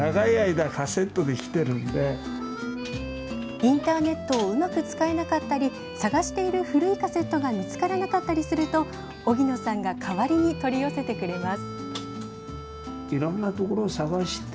インターネットをうまく使えなかったり、探している古いカセットが見つからなかったりすると、荻野さんが代わりに取り寄せてくれます。